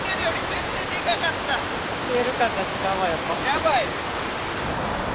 やばい。